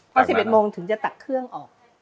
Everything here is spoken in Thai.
พอ๑๑โมงถึงจะตักเครื่องออก